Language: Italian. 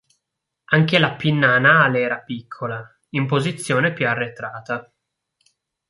Anche la pinna anale era piccola, in posizione più arretrata.